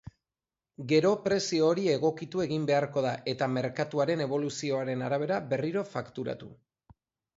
Gero prezio hori egokitu egin beharko da eta merkatuaren eboluzioaren arabera berriro fakturatu.